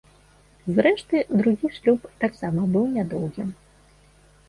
Зрэшты, другі шлюб таксама быў нядоўгім.